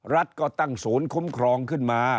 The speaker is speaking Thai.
รัฐก็ตั้งศูนย์คุ้มครองขึ้นมา